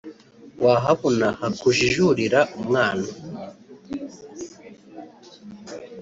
Wahabona hakujijurira umwana